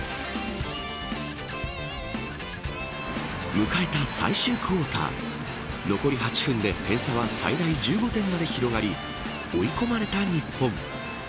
迎えた最終クオーター残り８分で差は最大１５点まで広がり追い込まれた日本。